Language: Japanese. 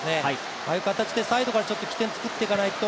ああいう形でサイドから起点を作っていかないと。